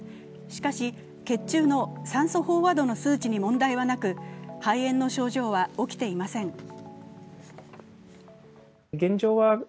しかし、血中の酸素飽和度の数値に問題はなく肺炎の症状は起きていません。